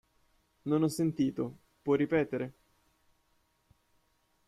Non ho sentito, puoi ripetere?